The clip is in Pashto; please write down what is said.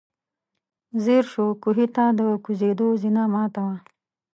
ځير شو، کوهي ته د کوزېدو زينه ماته وه.